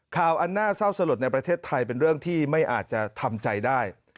อันน่าเศร้าสลดในประเทศไทยเป็นเรื่องที่ไม่อาจจะทำใจได้